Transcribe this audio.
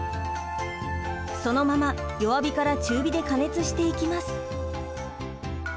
そのまま弱火から中火で加熱していきます。